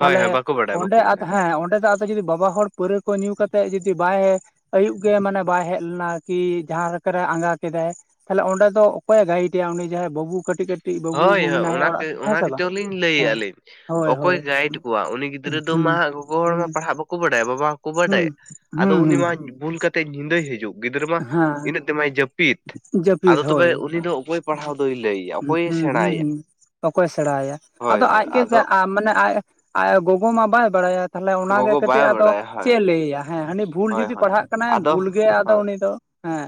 S2: ᱦᱳᱭ ᱦᱳᱭ ᱵᱟᱠᱚ ᱵᱟᱰᱟᱭᱟ ᱵᱟᱠᱚ
S1: ᱚᱸᱰᱮ
S2: ᱵᱟᱰᱟᱭᱟ
S1: ᱟᱫᱚ ᱦᱮᱸ ᱚᱸᱰᱮ ᱫᱚ ᱟᱫᱚ ᱡᱩᱫᱤ ᱵᱟᱵᱟ ᱦᱚᱲ ᱯᱟᱹᱣᱨᱟᱹ ᱠᱚ ᱧᱩ ᱠᱟᱛᱮᱫ ᱡᱩᱫᱤ ᱵᱟᱭ ᱟᱭᱩᱵ ᱜᱮ ᱢᱟᱱᱮ ᱵᱟᱭ ᱦᱮᱡ ᱞᱮᱱᱟ ᱟᱨᱠᱤ ᱡᱟᱦᱟᱸ ᱞᱮᱠᱟᱨ ᱟᱸᱜᱟ ᱠᱮᱫᱟᱭ ᱛᱟᱦᱞᱮ ᱚᱸᱰᱮ ᱫᱚ ᱚᱠᱚᱭᱮ ᱜᱟᱭᱤᱴᱭᱟ ᱩᱱᱤ ᱡᱟᱦᱟᱸᱭ ᱵᱟᱹᱵᱩ ᱠᱟᱹᱴᱤᱡ ᱠᱟᱹᱴᱤᱡ ᱵᱟᱹᱵᱩ
S2: ᱦᱳᱭ ᱦᱳᱭ
S1: ᱢᱮᱱᱟᱭᱟ
S2: ᱚᱱᱟ
S1: ᱚᱲᱟᱜ ᱨᱮ ᱦᱮᱸ
S2: ᱚᱱᱟ
S1: ᱥᱮ ᱵᱟᱝ
S2: ᱜᱮᱪ ᱞᱤᱧ ᱞᱟᱹᱭᱮᱫᱼᱟ
S1: ᱦᱮᱸ
S2: ᱞᱤᱧ
S1: ᱦᱳᱭ
S2: ᱚᱠᱚᱭ
S1: ᱦᱳᱭ
S2: ᱜᱟᱭᱤᱰ ᱠᱚᱣᱟ ᱩᱱᱤ
S1: ᱦᱩᱸ
S2: ᱜᱤᱫᱽᱨᱟᱹ ᱫᱚ
S1: ᱦᱩᱸ
S2: ᱢᱟ ᱜᱚᱜᱚ ᱦᱚᱲ ᱢᱟ ᱯᱟᱲᱦᱟᱜ ᱵᱟᱠᱚ ᱵᱟᱰᱟᱭᱟ ᱵᱟᱵᱟ ᱦᱚᱸᱠᱚ
S1: ᱦᱩᱸ
S2: ᱵᱟᱰᱟᱭ ᱟᱫᱚ
S1: ᱦᱩᱸ
S2: ᱩᱱᱤ
S1: ᱦᱩᱸ
S2: ᱢᱟ ᱵᱷᱩᱞ ᱠᱟᱛᱮ ᱧᱤᱫᱟᱹᱭ ᱦᱤᱡᱩᱜ ᱜᱤᱫᱽᱨ ᱢᱟ
S1: ᱦᱮᱸ
S2: ᱤᱱᱟᱹᱜ ᱛᱮ ᱢᱟᱭ ᱡᱟᱹᱯ ᱯᱤᱛ
S1: ᱡᱟᱹᱯᱤᱫ
S2: ᱟᱫᱚ ᱛᱚᱵᱮ
S1: ᱦᱳᱭ
S2: ᱩᱱᱤ ᱫᱚ ᱚᱠᱚᱭ ᱯᱟᱲᱦᱟᱣ ᱫᱚᱭ ᱞᱟᱹᱭᱟ
S1: ᱦᱸ
S2: ᱚᱠᱚᱭᱮ
S1: ᱦᱩᱸ
S2: ᱥᱮᱬᱟᱭᱟ
S1: ᱦᱩᱸ ᱚᱠᱚᱭ ᱥᱮᱬᱟᱭ
S2: ᱦᱳᱭ
S1: ᱟᱫᱚ
S2: ᱦᱳᱭ
S1: ᱟᱡᱜᱮ
S2: ᱟᱫᱚ
S1: ᱟ- ᱢᱟᱱᱮ ᱟᱭ ᱟᱭ ᱜᱚᱜᱚ ᱢᱟ ᱵᱟᱭ ᱵᱟᱲᱟᱭᱟ ᱛᱟᱦᱮ ᱚᱱᱟᱜᱮ
S2: ᱜᱚᱜᱚ ᱵᱟᱭ
S1: ᱠᱟᱹᱴᱤᱡ ᱟᱫᱚ
S2: ᱵᱟᱰᱟᱭᱟ
S1: ᱪᱮᱫ
S2: ᱦᱳᱭ
S1: ᱮ ᱞᱟᱹᱭᱟ ᱦᱮᱸ ᱵᱷᱩᱞ
S2: ᱦᱳᱭ
S1: ᱡᱩᱫᱤ
S2: ᱦᱳᱭ
S1: ᱯᱟᱲᱦᱟᱜ ᱠᱟᱱᱟᱭ
S2: ᱟᱫᱚ
S1: ᱵᱷᱩᱞ ᱜᱮ ᱟᱫᱚ
S2: ᱦᱳᱭ
S1: ᱩᱱᱤ ᱫᱚ ᱦᱮᱸ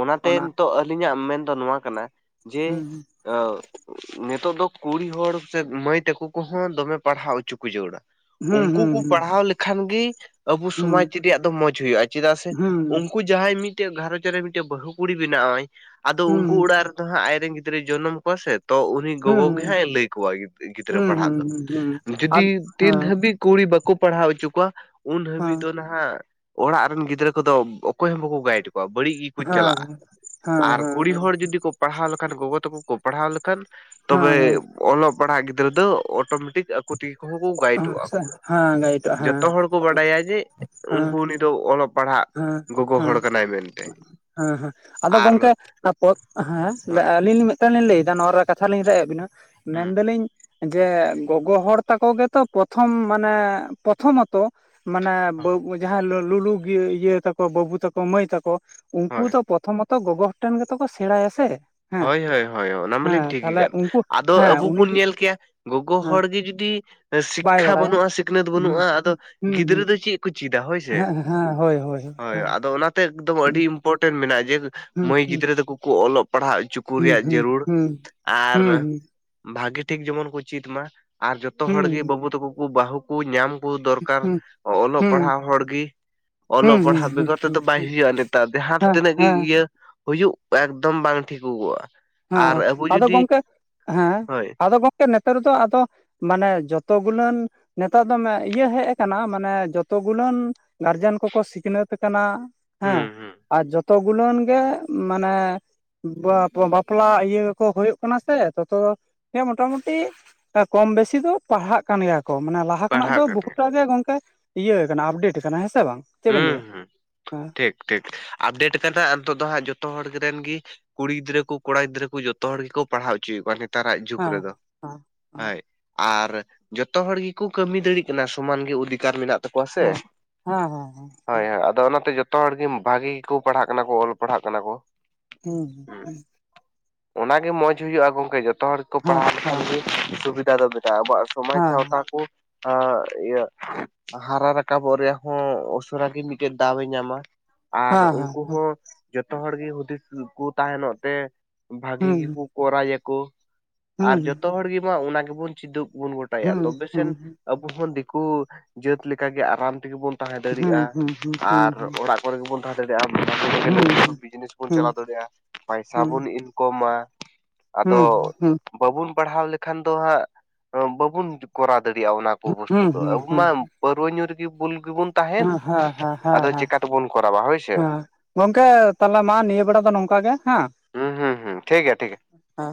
S2: ᱚᱱᱟᱛᱮ
S1: ᱚᱱᱟ
S2: ᱱᱤᱛᱚᱜ ᱟᱹᱞᱤᱧᱟᱜ ᱢᱮᱱ ᱫᱚ ᱱᱚᱣᱟ ᱠᱟᱱᱟ ᱡᱮ
S1: ᱦᱩᱸ
S2: ᱱᱤᱛᱚᱜ ᱫᱚ ᱠᱩᱲᱤ ᱦᱚᱲ ᱥᱮ ᱢᱟᱹᱭ ᱛᱟᱠᱚ ᱠᱚᱦᱚᱸ ᱫᱚᱢᱮ ᱯᱟᱲᱦᱟᱣ ᱚᱪᱚ ᱠᱚ ᱡᱟᱹᱨᱩᱲᱟ
S1: ᱦᱩᱸ
S2: ᱩᱱᱠᱩ ᱠᱩ
S1: ᱦᱩᱸ
S2: ᱯᱟᱲᱦᱟᱣ ᱞᱮᱠᱷᱟᱱ ᱜᱤ ᱟᱵᱚ
S1: ᱦᱩᱸ
S2: ᱥᱚᱢᱟᱡ ᱡᱩᱫᱤ ᱟᱫᱚ ᱢᱚᱡᱽ ᱦᱩᱭᱩᱜᱼᱟ ᱪᱮᱫᱟᱜ ᱥᱮ
S1: ᱦᱩᱸ
S2: ᱩᱱᱠᱩ ᱡᱟᱦᱟᱸᱭ ᱢᱤᱫᱴᱮᱡ ᱜᱷᱟᱨᱚᱧᱡᱽ ᱨᱮ ᱢᱤᱫᱴᱮᱡ ᱵᱦᱩ ᱠᱩᱲᱤ ᱵᱮᱱᱟ ᱟᱭ ᱟᱫᱚ
S1: ᱦᱩᱸ
S2: ᱩᱱᱠᱩ ᱚᱲᱟᱜ ᱨᱮᱫᱚᱸ ᱟᱡᱱᱮᱱ ᱜᱤᱫᱽᱨᱟᱹ [unintelligible] ᱡᱚᱱᱚᱢ ᱠᱚᱣᱟ ᱥᱮ ᱛᱚ ᱩᱱᱤ ᱜᱚᱜᱚ
S1: ᱦᱩᱸ
S2: ᱜᱮ ᱦᱟᱸᱜ ᱞᱟᱹᱭ ᱠᱚᱣᱟ ᱜᱤᱫᱽᱨᱟᱹ
S1: ᱦᱩᱸ ᱦᱩᱸ
S2: ᱯᱟᱲᱦᱟᱜ
S1: ᱦᱩᱸ ᱦᱩᱸ ᱦᱩᱸ
S2: ᱫᱚ
S1: ᱟᱨ
S2: ᱡᱩᱫᱤ ᱛᱤᱱ
S1: ᱦᱮᱸ
S2: ᱦᱟᱹᱵᱤᱡ ᱠᱩᱲᱤ ᱵᱟᱠᱚ ᱯᱟᱲᱦᱟᱣ ᱦᱚᱪᱚ ᱠᱚᱣᱟ ᱩᱱ ᱦᱟᱹᱵᱤᱡ
S1: ᱦᱮᱸ
S2: ᱫᱚ ᱱᱟᱦᱟᱜ ᱚᱲᱟᱜ ᱨᱮᱱ ᱜᱤᱫᱽᱨᱟᱹ ᱠᱚᱫᱚ ᱚᱠᱚᱭ ᱦᱚᱸ ᱵᱟᱠᱚ ᱜᱟᱭᱤᱰ ᱠᱚᱣᱟ ᱵᱟᱹᱲᱤᱡ ᱜᱮᱠᱚ
S1: ᱦᱮᱸ
S2: ᱪᱟᱞᱟᱜᱼᱟ
S1: ᱦᱮᱸ ᱦᱮᱸ
S2: ᱟᱨ ᱠᱩᱲᱤ
S1: ᱦᱮᱸ
S2: ᱦᱚᱲ ᱡᱩᱫᱤ ᱠᱚ ᱯᱟᱲᱦᱟᱣ ᱞᱮᱠᱷᱟᱱ ᱜᱚᱜᱚ ᱛᱟᱠᱚ ᱠᱚ ᱯᱟᱲᱦᱟᱣ ᱞᱮᱠᱷᱟᱱ ᱛᱚᱵᱮ
S1: ᱦᱮᱸ ᱦᱮᱸ
S2: ᱚᱞᱚᱜ ᱯᱟᱲᱦᱟᱜ ᱜᱤᱫᱽᱨᱟᱹ ᱫᱚ ᱚᱴᱳᱢᱮᱴᱤᱠ ᱟᱠᱚ [unintelligible] ᱜᱟᱭᱤᱰᱚᱜᱼᱟ ᱠᱚ
S1: ᱦᱮᱸ ᱜᱟᱭᱤᱴᱚᱜᱼᱟ
S2: ᱡᱚᱛᱚ ᱦᱚᱲ ᱠᱚ
S1: ᱦᱮᱸ
S2: ᱵᱟᱰᱟᱭᱟ ᱡᱮ
S1: ᱦᱮᱸ
S2: ᱩᱱᱠᱩ ᱫᱚ ᱚᱞᱚᱜ ᱯᱟᱲᱦᱟᱜ
S1: ᱦᱮᱸ
S2: ᱜᱚᱜᱚ ᱦᱚᱲ
S1: ᱦᱮᱸ
S2: ᱠᱟᱱᱟᱭ ᱢᱮᱱᱛᱮ
S1: ᱦᱮᱸ ᱦᱮᱸ ᱟᱫᱚ
S2: ᱟᱨ
S1: ᱜᱚᱝᱠᱮ ᱛᱟᱯᱚ ᱦᱮᱸ
S2: ᱦᱳᱭ
S1: ᱟᱹᱞᱤᱧ ᱞᱤᱧ ᱞᱤᱧ ᱞᱟᱹᱭᱫᱟ ᱱᱚᱣᱟ ᱨᱮᱭᱟᱜ ᱠᱟᱛᱷᱟ ᱞᱤᱧ ᱨᱡ ᱮᱫ ᱵᱮᱱᱟ
S2: ᱦᱩᱸ
S1: ᱢᱮᱱᱫᱟᱞᱤᱧ ᱡᱮ ᱜᱚᱜᱚ ᱦᱚᱲ ᱛᱟᱠᱚ ᱜᱮᱛᱚ ᱯᱨᱚᱛᱷᱚᱢ ᱢᱟᱱᱮ ᱯᱨᱚᱛᱷᱚᱢ- ᱛᱚ ᱢᱟᱱᱮᱵ ᱡᱟᱦᱟᱸᱭ ᱞᱩᱞᱩ ᱤᱭᱟᱹ ᱛᱟᱠᱚ ᱵᱟᱹᱵᱩ ᱛᱟᱠᱚ ᱢᱟᱹᱭ ᱛᱟᱠᱚ ᱩᱱᱠᱩ
S2: ᱦᱳᱭ
S1: ᱫᱚ ᱯᱨᱚᱛᱷᱚᱢᱚᱛᱚ ᱜᱚᱜᱚ ᱦᱚᱲ ᱴᱷᱮᱱ ᱜᱮᱛᱚ ᱠᱚ ᱥᱮᱬᱟᱭᱟ ᱥᱮ ᱦᱮᱸ
S2: ᱦᱳᱭ ᱦᱳᱭ ᱦᱳᱭ ᱚᱱᱟ
S1: ᱦᱮᱸ
S2: ᱢᱟᱞᱤᱧ ᱴᱷᱤᱠ
S1: ᱛᱟᱦᱞᱮ
S2: ᱟᱠᱟᱫ
S1: ᱩᱱᱠᱩ
S2: ᱟᱫᱚ
S1: ᱦᱮᱸ
S2: ᱟᱵᱚ
S1: ᱩᱱᱤ
S2: ᱵᱚᱱ ᱧᱮᱞ ᱠᱮᱭᱟ ᱜᱚᱜᱚ
S1: ᱦᱮᱸ
S2: ᱦᱚᱲ ᱜᱮᱮ ᱡᱩᱫᱤ
S1: ᱵᱟᱭ
S2: ᱥᱤᱠᱠᱷᱟ
S1: ᱵᱟᱲᱟᱭᱟ
S2: ᱵᱟᱹᱱᱩᱜᱼᱟ ᱥᱤᱠᱷᱱᱟᱹᱛ
S1: ᱦᱩᱸ
S2: ᱵᱟᱹᱱᱩᱜᱼᱟ ᱟᱫᱚ
S1: ᱦᱩᱸ ᱦᱩᱸ
S2: ᱜᱤᱫᱽᱨᱟᱹ
S1: ᱦᱩᱸ
S2: ᱫᱚ ᱪᱮᱫ ᱠᱚ ᱪᱮᱫᱟ ᱦᱳᱭ ᱥᱮ
S1: ᱦᱮᱸ ᱦᱮᱸ ᱦᱳᱭ ᱦᱳᱭ ᱦᱮᱸ
S2: ᱚᱱᱟᱛᱮ ᱮᱠᱫᱚᱢ ᱟᱹᱰᱤ ᱤᱢᱯᱚᱴᱮᱱ ᱢᱮᱱᱟᱜᱼᱟ ᱡᱮ
S1: ᱦᱩᱸ
S2: ᱢᱟᱹᱭ
S1: ᱦᱩᱸ
S2: ᱜᱤᱫᱽᱨᱟᱹ ᱫᱚᱠᱚ ᱠᱚ ᱚᱞᱚᱜ ᱯᱟᱲᱦᱟᱣ ᱦᱚᱪᱚ ᱠᱚ ᱩᱱᱠᱩ
S1: ᱦᱩᱸ
S2: ᱨᱮᱭᱟᱜ
S1: ᱦᱩᱸ
S2: ᱡᱟᱹᱨᱩᱲ
S1: ᱦᱩᱸ
S2: ᱟᱨ
S1: ᱦᱩᱸ
S2: ᱵᱷᱟᱜᱤ ᱴᱷᱤᱠ ᱡᱮᱢᱚᱱ ᱠᱚ ᱪᱮᱫ ᱢᱟ ᱟᱨ ᱡᱚᱛᱚ
S1: ᱦᱩᱸ
S2: ᱦᱚᱲᱜᱤ
S1: ᱦᱩᱸ
S2: ᱵᱟᱹᱵᱩ ᱛᱟᱠᱚ ᱠᱚ ᱵᱟᱹᱦᱩ ᱠᱚ ᱧᱟᱢ ᱠᱚ ᱫᱚᱨᱠᱟᱨ
S1: ᱦᱩᱸ ᱦᱩᱸ
S2: ᱚᱞᱚᱜ
S1: ᱦᱩᱸ
S2: ᱯᱟᱲᱦᱟᱜ ᱦᱚᱲ ᱜᱮ ᱚᱞᱚᱜ
S1: ᱦᱩᱸ
S2: ᱯᱟᱲᱦᱟᱜ
S1: ᱦᱩᱸ
S2: ᱵᱮᱜᱚᱨ
S1: ᱦᱩᱸ
S2: ᱛᱮᱫᱚ ᱵᱟᱭ ᱦᱩᱭᱩᱜᱼᱟ ᱱᱮᱛᱟᱨ ᱡᱟᱦᱟᱸ
S1: ᱦᱮᱸ
S2: ᱛᱤᱱᱟᱹᱜ ᱜᱮ
S1: ᱦᱮᱸ
S2: ᱤᱭᱟᱹ ᱦᱩᱭᱩᱜ ᱮᱠᱫᱚᱢ ᱵᱟᱝ ᱴᱷᱤᱠᱩᱜᱚᱜᱼᱟ
S1: ᱦᱮᱸ ᱟᱫᱚ ᱜᱚᱢᱠᱮ ᱦᱮᱸ
S2: ᱦᱳᱭ
S1: ᱟᱫᱚ ᱜᱚᱢᱠᱮ ᱱᱮᱛᱟᱨ ᱫᱚ ᱟᱫᱚ ᱢᱟᱱᱮ ᱡᱚᱛ ᱜᱩᱞᱟᱹᱱ ᱱᱮᱛᱟᱨ ᱫᱚ ᱤᱭᱟᱹ ᱦᱮᱡ ᱠᱟᱱᱟ ᱢᱟᱱᱮ ᱡᱚᱛᱚ ᱜᱩᱞᱟᱹᱱ ᱜᱟᱨᱡᱮᱱ ᱠᱚᱠᱚ ᱥᱤᱠᱷᱱᱟᱹᱛ ᱠᱟᱱᱟ ᱦᱮᱸ
S2: ᱦᱩᱸ ᱦᱩᱸ
S1: ᱟᱨ ᱡᱚᱛ ᱜᱩᱞᱟᱹᱱ ᱜᱮ ᱢᱟᱱᱮ [unintelligible] ᱵᱟᱯᱞᱟ ᱤᱭᱟᱹ ᱠᱚ ᱦᱩᱭᱩᱜ ᱠᱟᱱᱟ ᱥᱮ ᱛᱚᱛᱚ ᱦᱮᱸ ᱢᱚᱴᱟᱢᱩᱴᱤ ᱠᱚᱢ ᱵᱮᱥᱤ ᱫᱚ ᱯᱟᱲᱦᱟᱜ ᱠᱟᱱ ᱜᱮᱭᱟ ᱠᱚ ᱢᱟᱱᱮ ᱞᱟᱦ ᱞᱟᱦᱟ ᱠᱷᱚᱱᱟᱜ
S2: ᱯᱟᱲᱦᱟᱜ
S1: ᱫᱚ
S2: ᱠᱟᱱᱟ
S1: ᱵᱩᱦᱩᱴᱟᱜ ᱜᱮ ᱜᱚᱝᱠᱮ ᱤᱭᱟᱹᱠ ᱟᱯᱰᱮᱴ ᱟᱠᱟᱱᱟ ᱦᱮᱸᱥᱮ ᱵᱟᱝ ᱪᱮᱫ ᱵᱮᱱ
S2: ᱦᱩᱸ
S1: ᱞᱟᱹᱭᱟ
S2: ᱦᱩᱸ
S1: ᱦᱮᱸ
S2: [unintelligible] ᱟᱯᱰᱮᱴ ᱠᱟᱱᱟ ᱱᱤᱛᱚᱜ ᱫᱚ ᱦᱟᱸᱜ ᱡᱚᱛᱚ ᱦᱚᱲ ᱨᱮᱱ ᱜᱮ ᱠᱩᱲᱤ ᱜᱤᱫᱽᱨᱟᱹ ᱠᱚ ᱠᱚᱲᱟ ᱜᱤᱫᱽᱨᱟᱹ ᱠᱚ ᱡᱚᱛᱚ ᱦᱚᱲ ᱜᱮᱠᱚ ᱯᱟᱲᱦᱟᱣ ᱦᱚᱪᱚᱭᱮᱫ ᱠᱚᱣᱟ ᱱᱮᱛᱟᱨᱟᱜ ᱡᱩᱜᱽ
S1: ᱦᱮᱸ
S2: ᱨᱮᱫᱚ
S1: ᱦᱮᱸ
S2: ᱦᱳᱭ ᱟᱨ ᱡᱚᱛᱚ ᱦᱚᱲ ᱜᱮᱠᱚ ᱠᱟᱹᱢᱤ ᱫᱟᱲᱮᱭᱟᱜ ᱠᱟᱱᱟ ᱥᱚᱢᱟᱱ ᱜᱮ ᱚᱫᱷᱤᱠᱟᱨ ᱢᱮᱱᱟᱜ ᱛᱟᱠᱚᱣᱟ ᱥᱮ
S1: ᱦᱮᱸ ᱦᱮᱸ ᱦᱮᱸ ᱦᱮᱸ
S2: ᱦᱳᱭ ᱦᱳᱭ ᱟᱫᱚ ᱚᱱᱟᱛᱮ ᱡᱚᱛᱚ ᱦᱚᱲ ᱜᱮ ᱵᱷᱟᱜᱤ ᱜᱮᱠᱚ ᱯᱟᱲᱦᱟᱜ ᱠᱟᱱᱟ ᱠᱚ ᱚᱞ ᱯᱟᱲᱦᱟᱜ ᱠᱟᱱᱟ ᱠᱚ
S1: ᱦᱩᱸ ᱦᱩᱸ ᱦᱩᱸ
S2: ᱚᱱᱟᱜ ᱜᱮ ᱢᱚᱸᱡᱽ ᱦᱩᱭᱩᱜᱼᱟ ᱜᱚᱝᱠᱮ ᱡᱚᱛᱚ ᱦᱚᱲ ᱠᱚ ᱯᱟᱲᱦᱟᱣ ᱞᱮᱠᱷᱟᱱ ᱜᱮ ᱥᱩᱵᱤᱫᱷᱟ ᱫᱚ ᱵᱮᱼᱟ ᱟᱵᱚᱣᱟᱜ ᱥᱚᱢᱟᱡᱽ ᱥᱟᱶᱛᱟ ᱠᱚ ᱟ ᱤᱭᱟᱹ ᱦᱟᱨᱟ ᱨᱟᱠᱟᱵᱚᱜ ᱨᱮᱭᱟᱜ ᱦᱚᱸ ᱩᱥᱟᱨᱟ ᱢᱤᱫᱴᱮᱱ ᱫᱟᱣ ᱮ ᱧᱟᱢᱟ ᱟᱨ ᱩᱱᱠᱩ ᱦᱚᱸ ᱡᱚᱛᱚ ᱦᱚᱲ ᱜᱮ ᱦᱩᱫᱤᱥ ᱠᱚ ᱛᱟᱦᱮᱱᱚᱜ ᱛᱮ ᱵᱷᱟᱹᱜᱤ ᱜᱮᱠᱚ ᱠᱚᱨᱟᱣᱟᱠᱚ ᱟᱨ ᱡᱚᱛᱚ ᱦᱚᱲ ᱜᱮ ᱢᱟ ᱚᱱᱟ ᱜᱮᱵᱚᱱ ᱪᱮᱫᱚᱜ ᱵᱚᱱ ᱜᱚᱴᱟᱭᱟ ᱛᱚᱵᱮ ᱥᱮᱱ ᱟᱵᱚ ᱦᱚᱸ ᱫᱤᱠᱩ ᱡᱟᱹᱛ ᱞᱮᱠᱟᱜᱮ ᱟᱨᱟᱢ ᱛᱮᱜᱮ ᱵᱚᱱ ᱛᱟᱦᱮᱸ ᱫᱟᱲᱮᱭᱟᱜᱼᱟ ᱟᱨ ᱚᱲᱟᱜ ᱠᱚᱨᱮ ᱜᱮᱵᱚᱱ ᱛᱟᱦᱮᱸ ᱫᱟᱲᱮᱭᱟᱜᱼᱟ ᱵᱤᱡᱽᱱᱮᱥ ᱵᱚᱱ ᱪᱟᱞᱟᱣ ᱫᱟᱲᱮᱭᱟᱜᱼᱟ ᱯᱟᱭᱥᱟ ᱵᱚᱱ ᱤᱱᱠᱚᱢᱟ ᱟᱫᱚ ᱵᱟᱵᱩᱱ ᱯᱟᱲᱦᱟᱣ ᱞᱮᱠᱷᱟᱱ ᱫᱚ ᱦᱟᱸᱜ ᱵᱟᱵᱚᱱ ᱠᱚᱨᱟᱣ ᱫᱟᱲᱮᱭᱟᱜᱼᱟ ᱚᱱᱟ ᱵᱚᱥᱛᱩ ᱫᱚ ᱟᱵᱚ ᱢᱟ ᱯᱟᱹᱨᱣᱟᱹ ᱧᱩ ᱨᱮᱜᱮ ᱵᱩᱞ ᱜᱮᱵᱚᱱ ᱛᱟᱦᱮᱱ
S1: ᱦᱮᱸ ᱦᱮᱸ ᱦᱮᱸ
S2: ᱟᱫᱚ ᱪᱮᱠᱟ ᱛᱮᱵᱚᱱ ᱠᱚᱨᱟᱣᱟ ᱦᱳᱭᱥᱮ
S1: ᱜᱚᱝᱠᱮ ᱛᱟᱦᱚᱞᱮ ᱢᱟ ᱱᱤᱭᱟᱹ ᱵᱮᱲᱟ ᱫᱚ ᱱᱚᱝᱠᱟ ᱜᱮ ᱦᱮᱸ
S2: ᱦᱩᱸ ᱦᱩᱸᱩᱸ ᱴᱷᱤᱠ ᱜᱮᱭᱟ ᱴᱷᱤᱠ ᱜᱮᱭᱟ
S1: ᱚ